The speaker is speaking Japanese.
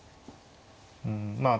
うんまあ